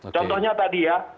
contohnya tadi ya